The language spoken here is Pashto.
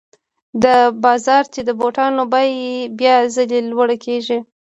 په بازار کې د بوټانو بیه بیا ځلي لوړه کېږي